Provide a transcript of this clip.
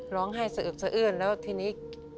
ร้องไห้สะอึดแล้วทีนี้